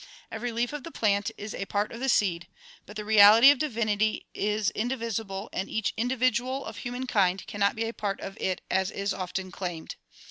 Every leaf of the plant is a part of the seed. But the reality of divinity is indivisible and each individual of human kind cannot be a part of it as is often claimed.